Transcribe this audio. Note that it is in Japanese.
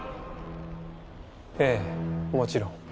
ええもちろん。